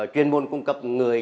chuyên môn cung cấp người